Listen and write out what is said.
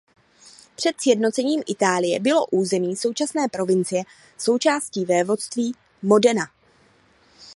Před sjednocením Itálie bylo území současné provincie součástí vévodství Modena.